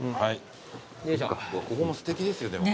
ここもすてきですよでも。